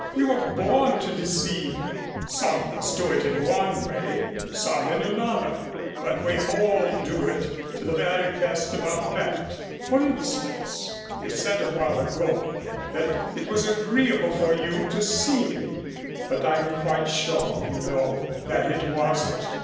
We were all born to deceive some of us do it in one way, some in another, but we all do it to the very best of our bent. For instance, you said a while ago that it was agreeable for you to see me. But I'm quite sure, you know, that it wasn't."